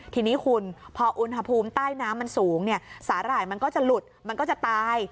ทีนี้คุณพออุณหภูมิใต้น้ำมันสูงเนี่ยสาหร่ายมันก็จะหลุดมันก็จะตาย